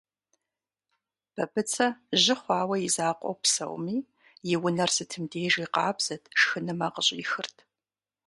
Бабыцэ жьы хъуауэ и закъуэу псэуми, и унэр сытым дежи къабзэт, шхынымэ къыщӏихырт.